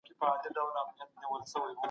د غالب د دیوان نسخه په لابراتوار کې وڅېړل سوه.